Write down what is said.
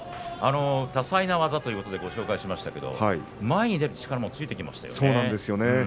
多彩な技ということでご紹介しましたが前に出る力もついてきましたね。